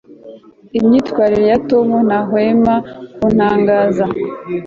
imyitwarire ya tom ntahwema kuntangaza